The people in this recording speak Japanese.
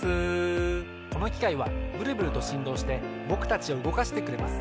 このきかいはブルブルとしんどうしてぼくたちをうごかしてくれます。